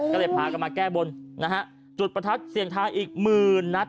ก็เลยพากันมาแก้บนนะฮะจุดประทัดเสียงทาอีกหมื่นนัด